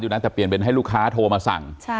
นั้นแต่เปลี่ยนเป็นให้ลูกค้าโทรมาสั่ง